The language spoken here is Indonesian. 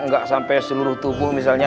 nggak sampai seluruh tubuh misalnya